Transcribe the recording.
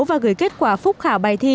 và gửi kết quả phúc khảo bài thi